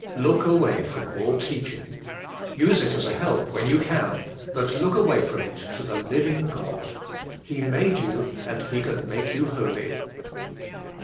Look away from all teaching. Use it as a help when you can, but look away from it to the living God. He made you and He can make you holy.